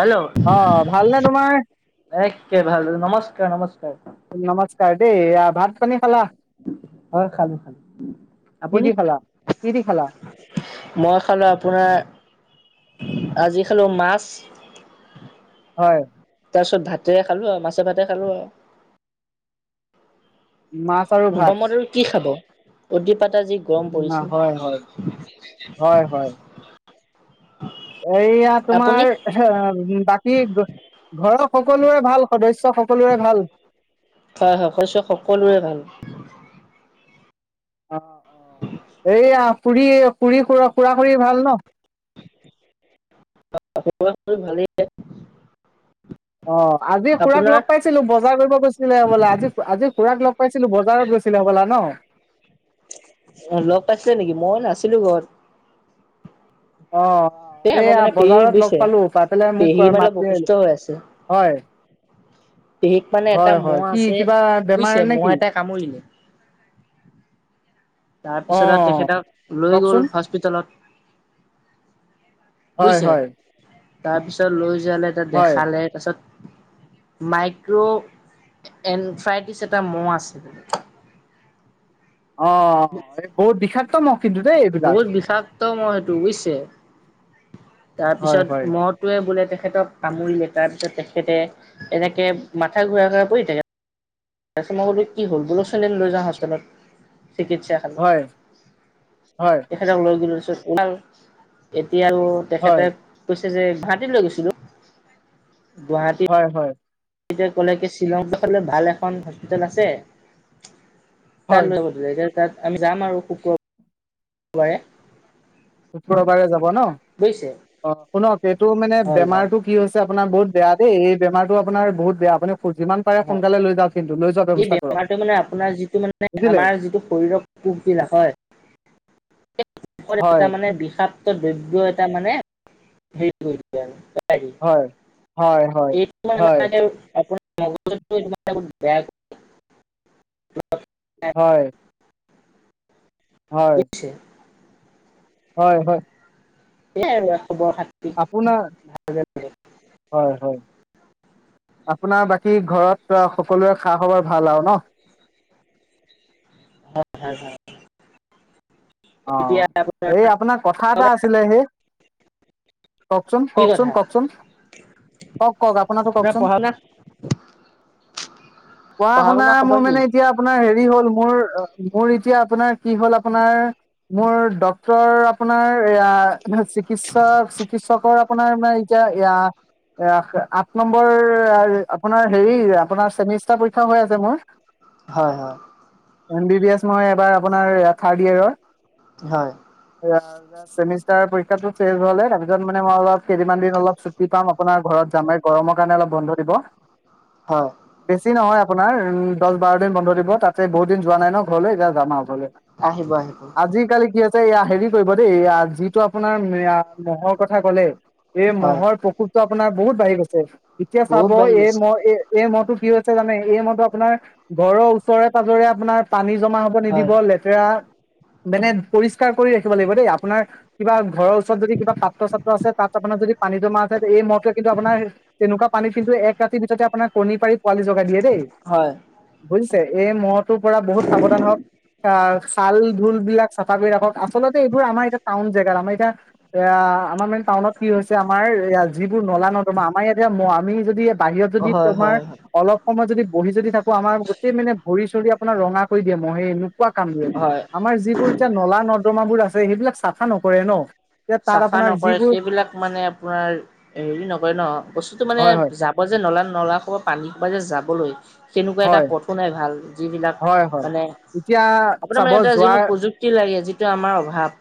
Hello! অ ভালনে তোমাৰ একে ভাল নমস্কাৰ নমস্কাৰ! নমস্কাৰ দেই! এয়া ভাত পানী খালা? হয় খালো খালো। কি আপুনি? দি খালা, কি দি খালা? মই খালো আপোনাৰ, আজি খালো মাছ। হয়। তাৰ পিছত ভাতেৰে খালো আও, মাছে ভাতে খালো আৰু। মাছ আৰু ভাত গৰমত আৰু কি খাব? অতি পাত আজি গৰম উম, পৰিছে। হয় হয় হয় হয় এইয়া আপুনি? তোমাৰ বাকী, ঘৰৰ সকলোৰে ভাল সদস্য সকলোৰে ভাল? হয় হয়, সদস্য সকলোৰে ভাল। অ' অ'এইয়া পুৰি পুৰি খুৰা খুৰা-খুৰিৰ ভাল ন'? [inaudible] ভালেই। অ' আজি খুৰাক আপোনাৰ লগ পাইছিলো বজাৰ কৰিব গৈছিলে হবলা। আজি আজি খুৰাক লগ পাইছিলো, বজাৰত গৈছিলে হবলা ন'? অ' লগ পাইছিলে নেকি? মই নাছিলো ঘৰত। এই অ'। আমাৰ এইয়া মানে পেহী বজাৰত লগ বুজিছে পালো, পাই পেলাই মোক পেহী মানে মাতি অসুস্থ আহিলে, হৈ আছে হয়। পেহীক মানে এটা হয় হয় ম'হ কি আছে কিবা বেমাৰ বুইছে, নে ম'হ কি এটাই কামুৰিলে। অ তাৰপিছত আৰু তেখেতক লৈ কওকচোন গ'ল হস্পিতলত। হয় হয়। তাৰ পিছত লৈ যোৱালে তাত হয় দেখালে তাৰ পিছত মাইক্ৰ' এনফ্ৰাইটিছ এটা ম'হ আছে বুলি। অ এই বহুত বিষাক্ত ম'হ কিন্তু দেই। এইবিলাক বহুত বিষাক্ত ম'হ সেইটো বুজিছে হয় হয় তাৰপিছত ম টোৱে বোলে তেখেতক কামুৰিলে তাৰ পিছত তেখেতে এনেকে মাথা ঘূৰাই ঘূৰাই পৰি থাকে তাৰ পিছত মই বোলো কি হ'ল ব'লক চোন লৈ যাওঁ হস্পিতেলত চিকিৎসা খালো হয় হয় তেখেতক লৈ গোত এতিয়া হয় তেখেতে কৈছে যে গুৱাহাটীত লৈ গৈছিলো গুৱাহাটী হয় হয় এতিয়া ক'লে কি শ্বিলং পাষলৈ ভাল এখন হস্পিতেল আছে তাৰ হয় ৰেকে তাত আমি যাম আৰু শুক্ৰ গ'লে। শুক্ৰবাৰে যাব ন বুজিছে অ শুনক এইটো মানে হয় যাম বেমাৰটো কি হৈছে আপোনাৰ বহুত বেয়া দেই এই বেমাৰো আপোনাৰ বহুত বেয়া আপুনি যিমান পাৰে হয় সোনকালে লৈ যাওক কিন্তু লৈ যোৱাৰ এই ব্যৱস্থা কৰক বেমাৰটো মানে আপোনাৰ যিটো মানে বুজিলে আমাৰ যিটো শৰীৰৰ পোকবিলাক হয় হয় এ মানে বিষাদ দ্ৰব্য এটা মানে হেৰি কৰিছে আৰু হয় হয় এইটো হয় মানে আপোনাৰ মগজে বেয়া হয় হয় বুজিছে হয় হয় স আৰু খবৰ খাতি আপোনাৰ হয় হয় আপোনাৰ বাকী ঘৰত সকলোৱে খা খাবৰ ভাল আৰু ন হয় হয় হয় অ', আপোনাৰ এই আপোনাক কথা এটা আছিলে সেই কওঁকচোন, কি কওঁকচোন, কথা কওঁ‌কচোন কঁওক কঁওক আপোন তো আপোনাৰ কওঁকচোন পঢ়া শুনা পঢ়া শুনা মোৰ মানে এতিয়া আপোনাৰ হেৰি হ'ল মোৰ মোৰ এতিয়া আপোনাৰ কি হ'ল আপোনাৰ মোৰ ডক্তৰ আপোনাৰ এয়া চিকিৎসক কৃষকৰ আপোনাৰ মে এতিয়া এ এ আঠ নম্বৰ আপোনাৰ হেৰি আপোনাৰ চেমিষ্টাৰ পৰীক্ষা হৈ আছে মোৰ হয় হয় এম বি বি এছ মই এবাৰ আপোনাৰ থাৰ্ড ইয়েৰ হয় অ', চেমিষ্টাৰ পৰীক্ষাটো চ হ'লে তাৰপিত মানে মই অলপ কেইদিনমান দিন অল চুটি পাম আপোনাৰ ঘৰত যামে গৰমৰ কাৰণে অলপ বন্ধ দিব। হয়। বেছি নহয় আপোনাৰ উ দহ বাৰ দিন বন্ধ দিব তাতে বহুত দিন যোৱা নাই ন ঘৰলৈ এতিয়া যাম আৰুৰলৈ আহিব আহিব। আজিকালি কি আছে এয়া হেৰি কৰিব দেই যিটো আপোনাৰ মহৰ কথা ক'লে। এই হয় মহৰ প্ৰকোপটো আপোনাৰ বহুত বাঢ়ি গৈছে এতিয়া বহুত চাব বাঢ়ি এই গৈছে মহ এ। এই মহতটো কি হৈছে জানে এই মহটো আপোনাৰ ঘৰৰ ওচৰে পাজৰে আপোনাৰ পানী। জমা হ'ব হয় নিদিব লেতেৰা মানে পৰিষ্কাৰ কৰি ৰাখিব লাগিব দেই আপোনাৰ। কিবা ঘৰৰ ওচৰত যদি কিবাাত্ৰ ছাত্ৰ আছে তাত আপোনাৰ যদি পানীটোমাে এই মহটোৱে কিন্তু আপোনাৰ। তেনেকুৱা পানী পিনন্তটো এক ৰাতিৰ ভিতৰতে আপোনাৰ কণী পাৰী পোৱালি জগাই দিয়ে দেই। হয় বুজিছে এই মহটোৰ পৰা বহুত সাৱধান হওক আহ ছাল। ৰুম বিলাক চাফা কৰি ৰাখক আচলতে এইবোৰ আমাৰ এটা টাউন জেগাৰ আমাৰ এতিয়া। এ আমাৰ মেইন টাউনত কি হৈছে আমাৰ এ যিবোৰ নলা নদমা আমাৰ ইয়াতে আমি যদি বাহিৰত যদি। হয় তোমাৰ হয় হয়। অলপ সময় যদি বহি যদি থাকো আমাৰ গোটেই মানে ভৰি চৰি আপোনাৰ ৰঙা কৰি দিয়ে মই সে এনেকুৱা কামুৰে। হয়। আমাৰ যিবোৰ এতিয়া নলা নৰ্দমা বোৰ আছে সেইবিলাক চাফা নকৰে ন। এতিয়া তাত চাফা আপোনাৰ নকৰে যিবোৰ সেইবিলাক মানে আপোনাৰ হেৰি নকৰে ন বস্তুটো মানে হয় হয় জা। বজে নলা নলা ক'ব পানীক বাজে যাবলৈ সেনেকুৱা এটা হয় পথো নাই ভাল। যিবিলাক হয় হয়। মানে এতিয়া আপোনাৰ চাব মানে এটা যোৱা যিবোনো প্ৰযুক্তি লাগে যিটো আমাৰ অভাৱ।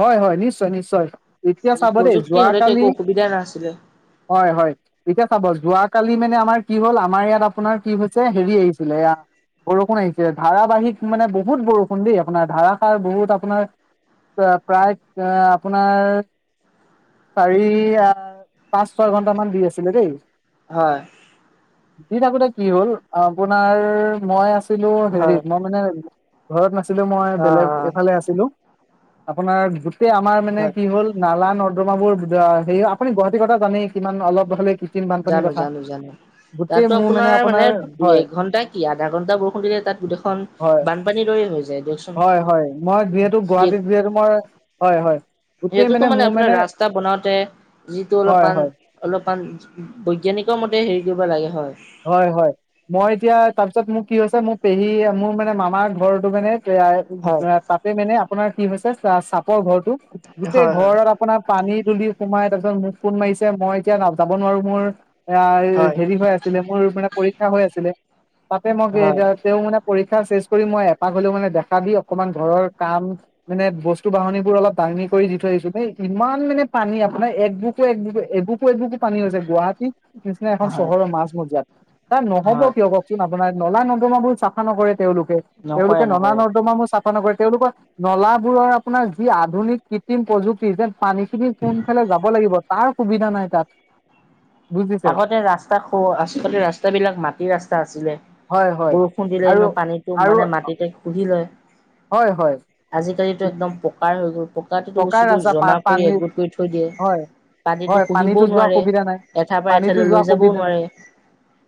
হয় হয় নিশ্চয় নিশ্চয় এতিয়া চাবা দেই প্ৰযুক্তি হলেতো একো যোৱাকালি। অসুবিধা নাছিলে হয় হয়। এতিয়া চাব যোৱাকালি মানে আমাৰ কি হল আমাৰ ইয়াত আপোনাৰ কি হৈছে হেৰি আহিছিলে এয়া। বৰষুণ আহিছে ধাৰাবাহিক মানে বহুত বৰষুণ দেই আপোনাৰ ধাৰাসাৰ বহুত আপোনাৰ। প্ৰায় আপোনাৰ। চাৰি আ পাঁচ ছয় ঘন্টামান দি আছিলে দেই। হয়। দিন আগোতে কি হ'ল আপোনাৰ মই আছ। আছিলো হয় হেৰিত মই মানে ঘৰত নাছিলো মই অ অ বেলেগ এফালে আছিলোঁ। আপোনাৰ গোতে আমাৰ মানে হয় কি হ'ল। নালা নৰ্দমাবোৰ হেৰি আপুনি গুৱাহাটীৰ কথা জানেই কিমান অলপ হ'লে। কৃত্ৰিম বানপানীৰ জানো কথা জানো জানো। গোটেই তাতো মোৰ আপোনাৰ মানে দুই হয় এঘণ্টা কি আধা ঘণ্টা বৰষুণ দিলে তাত গোটেইখন। হয় বানপানীৰ দৰে হৈ যায় দিয়কচোন হয় হয় মই যিহেতু গুৱাহাটীত যিহেতু মই হয় হয়। সেইটোতো মানে আপোনাৰ ৰাস্তা বনাওতে যিটো হয় অলপমান। হয় অলপমান বৈজ্ঞানিকৰ মতে হেৰি কৰিব লাগে হয়। হয় হয়। মই এতিয়া তাৰ পিছত মোৰ কি হৈছে মোৰ পেহী মোৰ মানে মামাৰ ঘৰটো মানে। হয়, তাতে মানে আপোনাৰ কি হৈছে চাপৰ ঘৰটো গোটেই হয়, ঘৰত। আপোনাৰ পানী তুলি সোমাই তাৰপিছত মুখ ফোন মাৰিছে মই এতিয়া নাযাব নোৱাৰো মোৰ। এ হয়, হেৰি হৈ আছিলে মোৰ মানে পৰীক্ষা হৈ আছিলে তাতে মই হয়, তেওঁ মানে। পৰীক্ষা চেচ কৰি মই এপাক হলেও মানে দেখা দি অকমান ঘৰৰ কাম। মানে বস্তু বাহন বোৰ অলপ দাঙি কৰি দি থৈ আহিছো ন ইমান মানে পানী আপোনাৰ এক বু। বুক এবুকো এবুকো পানী হৈছে গুৱাহাটী। নিচিনা এখন হয়, হয়, চহৰৰ মাছ মজিয়াত তাৰ নহ'ব হয়। কিয় ক। ই নলা নৰ্দমা বোৰ চাফা নকৰে তেওঁলোকে নকৰে তেওঁলোকে নলা নকৰে নৰ্দমা চাফা। ন কৰে তেওঁলোকৰ নলাবোৰৰ আপোনাৰ যি আধুনিক কৃত্ৰিম প্ৰযুক্তি যেন। পানী খিনি কোনফালে যাব লাগিব তাৰ সুবিধা নাই তাত। বুজিছে আগতে ৰাস্তা খ আচলতে ৰাস্তাবিলাক মাটি ৰাস্তা আছিলে। হয় হয় বৰষুণ দিলে আৰু এনে পানীটো আৰু মানে মাটিতে শুহি লয়। হয় হয়। আজিকালিতো একদম পকাৰ হৈ গ'ল। কাতিটো পকাৰ বস্তুটো ৰাস্তা পা জমা কৰি পানী একগোট কৰি থৈ দিয়ে, হয় পানীটো হয় পানীতো শুহিবও যোৱা নোৱাৰে। সুবিধা নাই এঠাইৰ পৰা পানীতো এঠাইলৈ যোৱা লৈ যাবও সুবিধা নাই নোৱাৰে।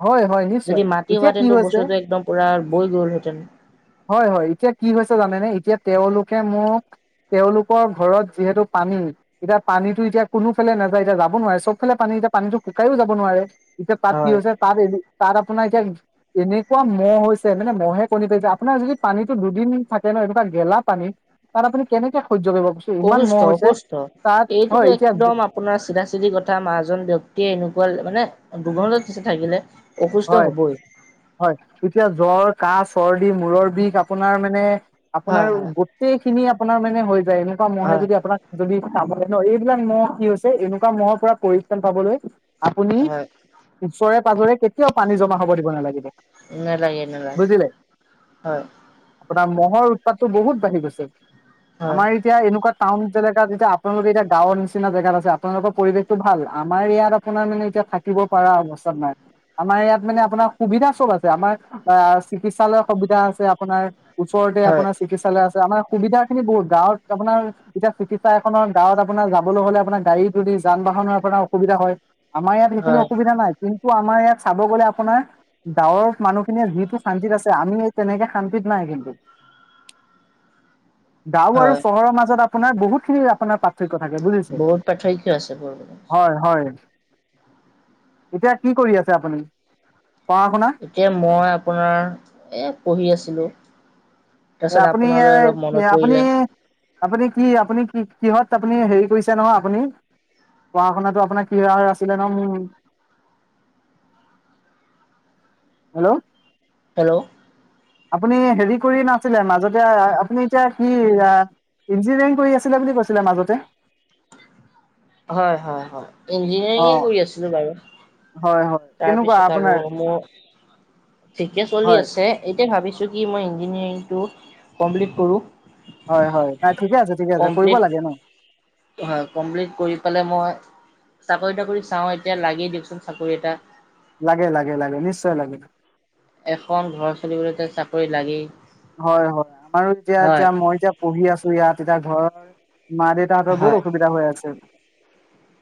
হয় হয় নিশ্চয় যদি মাটি এতিয়া কি হোৱতেনো হৈছে বস্তুতটো একদম পুৰা বৈ গ'লহেতেন। হয় হয়, এতিয়া কি হৈছে জানেনে এতিয়া তেওঁলোকে মোক তেওঁলোক কৰ ঘৰত যিহেতু পানী। এতিয়া পানীতটো এতিয়া কোনোফালে নাযায় এতিয়া যাব নোৱাৰে চবফালে পানী এতিয়া পানীতো শুকাইও যাব নোৱাৰে। এতিয়া তাত কি হয়। হৈছে, তাত এ তাত আপোনাৰ এতিয়া এনেকুৱা মহ হৈছে মানে মহে কণী পাৰিছে, আপোনাৰ যদি পানীতো দুদিন থাকে ন, এনেককা গেলা পানী। তাত আপুনি কেনেকে সহ্য কৰিব কৈছো, ইমান অসুস্থ মহ হৈছে অসুস্থ তাত হয় এইটোতো এতিয়া একদম আপোনাৰ চিধা চিধি কথা মা এজন ব্যক্তিয়ে এনেকুৱা মানে দুৰ্গন্ধ হৈছে থাকিলে। হয় অসুস্থ হ'বই। হয় এতিয়া জ্বৰ, কাহ, চৰ্দি, মূৰৰ বিষ আপোনাৰ মানে আপোনাৰ হয় হয় গোটেইখিনি আপোনাৰ মানে হৈ যায় এনেকুৱা মইয়ে হয় যদি আপোনাক যদি চাবলৈ ন, এইবিলাক মহ কি হৈছে এনেকুৱা মহৰ পৰা পৰিত্ৰাণ পাবলৈ আপুনি হয় ওচৰে পাজৰে কে কিয় পানী জমা হ'ব দিব নালাগিব, নালাগে নালাগে বুজিলে। হয় আপোনাৰ মহৰ উৎপাতটো বহুত বাঢ়ি গৈছে, হয় আমাৰ ই এতিয়া এনেকুৱা টাউন এলেকাত এতিয়া আপোনালোকে এতিয়া গাঁৱৰ নিচিনা জেগাত আছে আপোনালোকৰ পৰিৱেশটো ভাল। আমাৰ ইয়াত আ আপোনাৰ মানে এতিয়া থাকিব পৰা অৱস্থাত নাই। আমাৰ ইয়াত মানে আপোনাৰ সুবিধা চব আছে। আমাৰ আ চিকিৎসালয় সুবিধা আছে আপোনাৰ। ওচৰতে হয় আপোনাৰ চিকিৎসালয় আছে। আমাৰ সুবিধা খিনি বহুত। গাঁৱত আপোনাৰ এতিয়া চিকিৎসা এখনৰ গাঁৱত আপোনাৰ যাবলৈ হ'লে আপোনাৰ গাড়ী তুলি যান বাহনৰ আপোনাৰ অসুবিধা হয়। আমাৰ ইয়াত সেইখিনি হয় অসুবিধা নাই। কিন্তু আমাৰ ইয়াত চাব গ'লে আপোনাৰ ডাৱৰ মানুহখিনিয়ে যিটো শান্তিত আছে, আমি এ তেনেকে শান্তিত নাই কিন্তু। [inaudible] গাঁও আৰু চহৰৰ মাজত আপোনাৰ বহুত খিনি আপোনাৰ পা ৰ্থক্য থাকে বুলিছে, বহুত পাৰ্থক্য আছে বহুত হয় হয়। এতিয়া কি কৰি আছে আপুনি? পঢ়া শুনা? এতিয়া মই আপোনাৰ এ, পঢ়ি আছিলোঁ। এ, আপুনি এই মনত আপুনি পৰিলে আপুনি কি আপুনি কি কিহত আপুনি হেৰি কৰিছে নহয় আপুনি? পঢ়া শুনাতো আপোনাৰ ক্ৰিয়াৰ আছিলে ন' উম। [inaudible] হেল্ল হেল্ল আপুনি হেৰি কৰি নাছিলে, মাজতে আ আপুনি এতিয়া কি আ ইঞ্জিনিয়াৰিং কৰি আছিলে বুলি কৈছিলে মাজতে। হয় হয় হয়। অ ইঞ্জিনিয়াৰিঙে কৰি আছিলোঁ বাৰু। হয় হ। তাৰপিছত আৰু মোৰ ঠিকে চলি হয় আছে। এতিয়া ভাবিছোঁ কি মই ইঞ্জিনিয়াৰিংটো কমপ্লিট কৰোঁ। হয় হয় তাই ঠিকে আছে, ঠিকে আছে, কৰিব কমপ্লিট লাগে ন। হয়। কমপ্লিট কৰি পেলাই মই চাকৰি তাকৰি চাওঁ এতিয়া লাগে দিয়কচোন চাকৰি এটা। লাগে, লাগে, লাগে নিশ্চয় লাগে। এখন ঘৰ চলিবলে ত' চাকৰি লাগেই। হয়, হয়। আমাৰো এতিয়া হয় তিয়া মই এতিয়া পঢ়ি আছোঁ ইয়াত এতিয়া ঘৰৰ মা দেউ তাহতৰ বহুত হয় অসুবিধা হৈ আছে।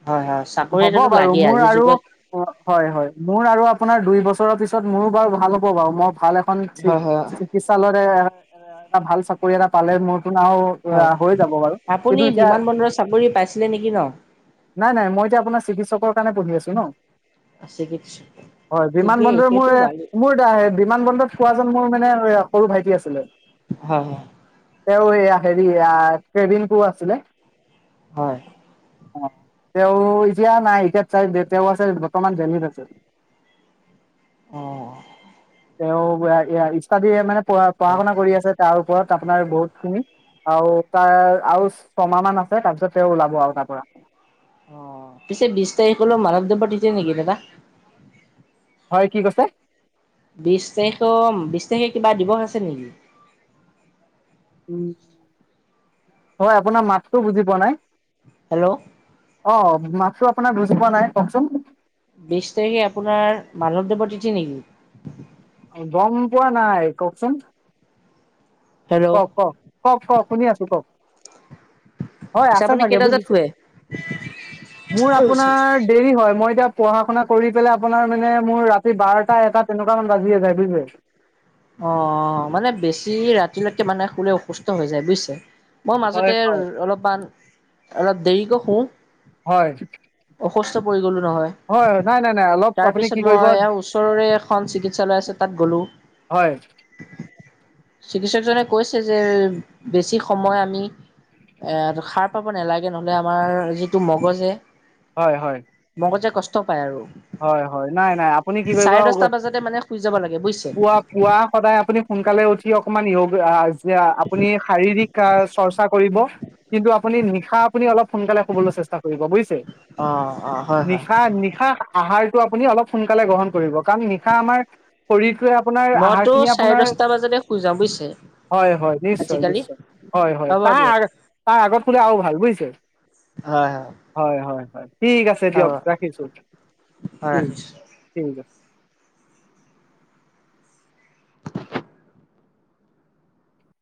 হয় হয় চাকৰি হ'ব এটাতো বাৰু লাগেই মোৰ আজিৰ আৰু যুগত অ, হয়, হয়। মোৰ আৰু আপোনাৰ দুই বছৰৰ পিছত মোৰো বাৰু ভাল হ'ব বাৰু মই ভাল এখ খন হয় হয় চি-চিকিৎসালতে এটা, ভাল চাকৰি এটা পালে মোৰতোন আৰু হয়, হৈ যাব বাৰু কিন্তু আপুনি এতিয়া বিমান বন্দৰৰ চাকৰি পাইছিলে নেকি ন'? নাই নাই মই এতিয়া আপোন চিকিৎসকৰ কাৰণে পঢ়ি আছোঁ ন'। চিকিৎসা হয় বিমান ঠিকেই বন্দৰ সেইটো মোৰে ভালেই মোৰ [unintelligible] বিমান বন্দৰত পোৱা জন মোৰ মানে এ সৰু ভাইটি আছিলে। হয় হয়। তেওঁ এয়া হেৰি এইয়া ক্ৰেদিংকো আছিলে। হয়। অ', তেওঁ এতিয়া নাই এতিয়াত চাই [unintelligible] তেওঁ আছে বৰ্তমান দেলহিত আছে। অঁ অহ। তেওঁ [inaudible] ইয়া, ইষ্টাডি এ, মানে পঢ়া পঢ়া হয় শুনা কৰি আছে তাৰ ওপৰত আপোনাৰ বহুতখিনি। আৰু তাৰ আৰু ছমাহ মান আছে তাৰপিছত তেওঁ ওলাব আৰু তাৰ পৰা। অ', পিছে বিশ তাৰিখলৈ মাধৱ দেৱৰ তিথি নেকি দাদা? হয় কি কৈছে? বিশ তাৰিখম বিশ তাৰিখে কিবা দিৱস আছে নেকি? উম, হয় আপোনাৰ মাতটো বুজি পোৱা নাই। হেল্ল। অ মাতটো আপোনাৰ বুজি পোৱা নাই কওকচোন। বিশ তাৰিখে আপোনাৰ মাধৱদেৱৰ তিথি নেকি? গম পোৱা নাই কওকচোন। হেল্ল' কওক কওক কওক কওক শুনি আছো কওক। হয় আচ্ছা আছে আপুনি চাগে কেইটা বজাত বুজিছে, শুৱে? মোৰ আপোনাৰ দেৰি হয়, মই এতিয়া পঢ়া শুনা কৰি পেলাই আপোনাৰ মানে মোৰ ৰাতি বাৰটা এটা তেনেকুৱা বাজিয়ে যায় বুইছে। অঁ মানে বেছি ৰাতিলৈকে মানুহে শুলে অসুস্থ হৈ যায় বুইছে। মই হয় মাজতে হয় অলপমান অলপ দেৰিকৈ শুওঁ। হয় অসুস্থ পৰি গ'লোঁ নহয়। হয় নাই নাই অলপ আপুনি কি তাৰপিছত কৰিব মই এইয়া ওচৰৰে এখন চিকিৎসালয় আছে তাত গ'লোঁ। হয়। চিকিৎসকজনে কৈছে যে বেছি সময় আমি এ সাৰ পাব নালাগে নহলে আমাৰ যিটো মগজে হয় হয়। মগজে কষ্ট পায় আৰু। হয় হয় নাই নাই আপুনি কি কৰিব চাৰে দহটা বজাতে মানে শুই যাব লাগে বুজিছে। পুৱা পুৱা সদায় আপুনি সোনকালে উঠি অকমান [unintelligible] আপুনি শাৰীৰিক আ চৰ্চা কৰিব। কিন্তু আপুনি নিশা আপুনি অলপ সোনকালে শুৱলৈ চেষ্টা কৰিব বুইছ অ', অ', হয়, হয়। নিশা নিশা আহাৰটো আপুনি অলপ সোনকালে গ্ৰহণ কৰিব। কাৰণ নিশা আমাৰ শৰীৰটোৱে আপোনাৰ আহাৰ মইতো খিনি চাৰে আপোনাৰ দহটা বজাতে শুই যাওঁ বুজিছে হয় হয় নিশ্চয় আজিকালি নিশ্চয়, হয় হয় হ'ব তাৰ দিয়ক। আ তাৰ আগত শুলে আৰু ভাল বুইছে। হয় হয়। হয় হয় হয় ঠিক আছে হ'ব দিয়ক ৰাখিছোঁ হয় ঠিক ৰাখিছোঁ। ঠিক আছে।